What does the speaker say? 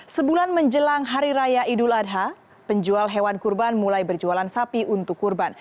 sebulan menjelang hari raya idul adha penjual hewan kurban mulai berjualan sapi untuk kurban